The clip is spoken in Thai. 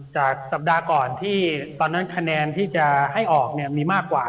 จากสัปดาห์ก่อนที่ตอนนั้นคะแนนที่จะให้ออกเนี่ยมีมากกว่า